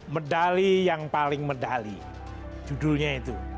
medali yang paling medali judulnya itu